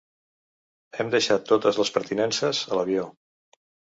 Hem deixat totes les pertinences a l’avió.